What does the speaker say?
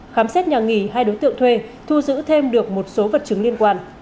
khám xét nhà nghỉ hai đối tượng thuê thu giữ thêm được một số vật chứng liên quan